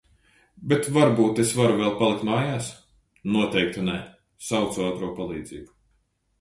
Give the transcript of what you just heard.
Bet varbūt es varu vēl palikt mājās?... noteikti nē! Saucu ātro palīdzību.